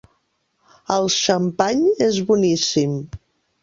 El xampany és boníssim.